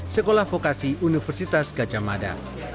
sekolah vokasi universitas gajah mada